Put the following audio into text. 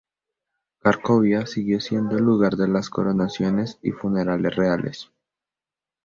Cracovia siguió siendo el lugar de las coronaciones y funerales reales.